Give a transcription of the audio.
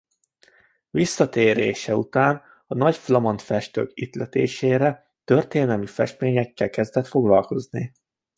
Visszatérése után a nagy flamand festők ihletésére történelmi festményekkel kezdett foglalkozni.